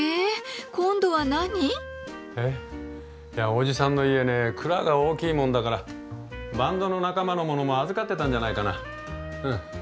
おじさんの家ね蔵が大きいもんだからバンドの仲間のものも預かってたんじゃないかな。